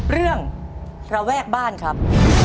เรื่องระแวกบ้านครับ